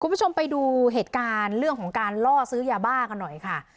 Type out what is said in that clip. คุณผู้ชมไปดูเหตุการณ์เรื่องของการล่อซื้อยาบ้ากันหน่อยค่ะ